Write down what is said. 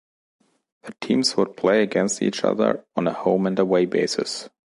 The teams would play against each other on a home-and-away basis.